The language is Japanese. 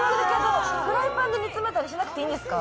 フライパンで煮詰めたりしなくていいんですか？